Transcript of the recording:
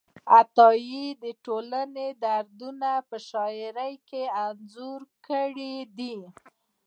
عطایي د ټولنې دردونه په شاعرۍ کې انځور کړي دي.